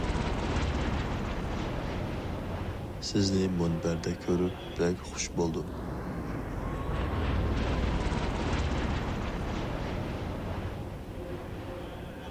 سىزنى مۇنبەردە كۆرۈپ بەك خۇش بولدۇم.